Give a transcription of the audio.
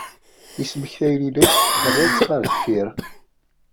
Ismektiyen-ines rran-tt ɣer deffir.